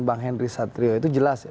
bang henry satrio itu jelas ya